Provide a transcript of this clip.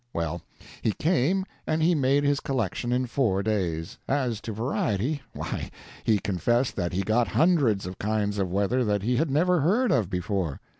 Well, he came and he made his collection in four days. As to variety, why, he confessed that he got hundreds of kinds of weather that he had never heard of before.